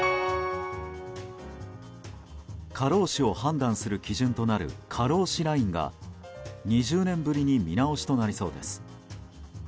過労死を判断する基準となる過労死ラインが２０年ぶりに見直しとなりそうです。